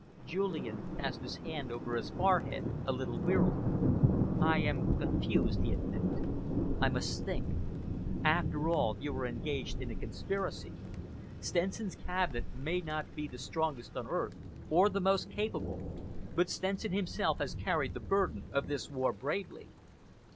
Julian passed his hand over his forehead a little wearily. "I am confused," he admitted. "I must think. After all, you are engaged in a conspiracy. Stenson's Cabinet may not be the strongest on earth, or the most capable, but Stenson himself has carried the burden of this war bravely."